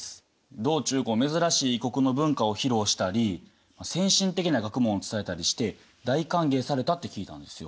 道中珍しい異国の文化を披露したり先進的な学問を伝えたりして大歓迎されたって聞いたんですよ。